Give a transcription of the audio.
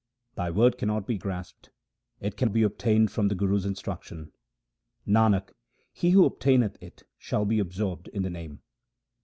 Thy word cannot be grasped ; it can be obtained from the Guru's instruction : Nanak, he who obtaineth it, shall be absorbed in the Name.